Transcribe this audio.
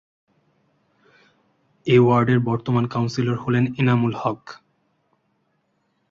এ ওয়ার্ডের বর্তমান কাউন্সিলর হলেন এনামুল হক।